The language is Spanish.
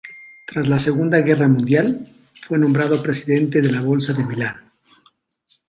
Tras la Segunda Guerra Mundial, fue nombrado presidente de la Bolsa de Milán.